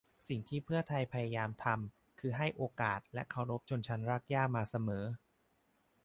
สิ่งที่เพื่อไทยพยายามทำคือให้โอกาสและเคารพชนชั้นรากหญ้ามาเสมอ